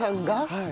はい。